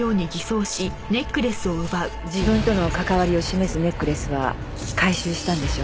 自分との関わりを示すネックレスは回収したんでしょ？